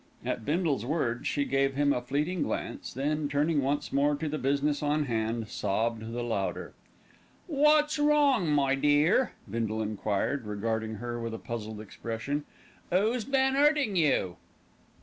At Bindle's words she gave him a fleeting glance, then, turning once more to the business on hand, sobbed the louder. "Wot's wrong, my dear?" Bindle enquired, regarding her with a puzzled expression. "Oo's been 'urting you?"